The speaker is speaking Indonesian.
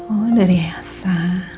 oh dari elsa